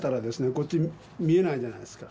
こっち見えないじゃないですか